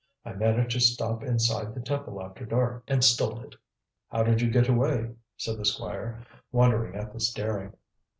I managed to stop inside the temple after dark, and stole it." "How did you get away?" said the Squire, wondering at this daring.